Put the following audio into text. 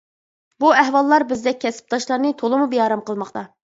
بۇ ئەھۋاللار بىزدەك كەسىپداشلارنى تولىمۇ بىئارام قىلماقتا.